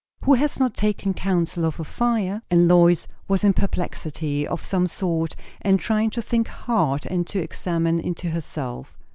Who has not taken counsel of a fire? And Lois was in perplexity of some sort, and trying to think hard and to examine into herself.